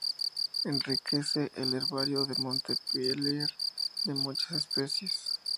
Enriquece el herbario de Montpellier de muchas especies.